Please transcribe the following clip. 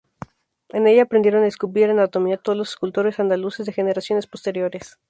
En ella aprendieron a esculpir anatomía todos los escultores andaluces de generaciones posteriores.